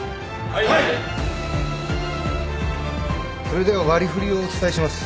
それでは割り振りをお伝えします。